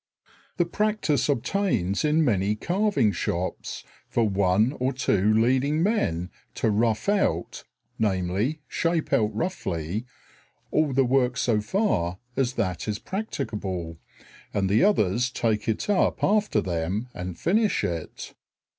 The practice obtains in many carving shops for one or two leading men to rough out (viz. shape out roughly) all the work so far as that is practicable, and the others take it up after them and finish it.